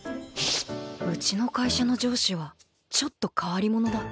うちの会社の上司はちょっと変わり者だ